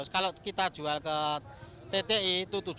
kalau kita jual ke tti itu rp tujuh lima ratus